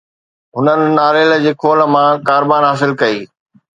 هنن ناريل جي خول مان ڪاربان حاصل ڪئي